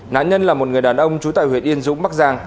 nạn nhân là một người đàn ông trú tại huyện yên dũng bắc giang